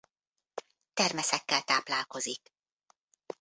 Termeszekkel táplálkozik.